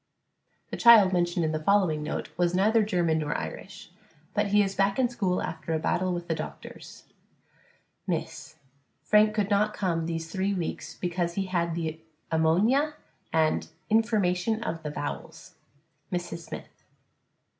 The child mentioned in the following note was neither German nor Irish. But he is back in school after a battle with the doctors: _Miss _: Frank could not come these three weeks because he had the amonia and information of the vowels. MRS. SMITH.